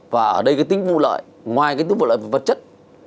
và ở đây cái tính vụ lợi ngoài cái tính vụ lợi về vật chất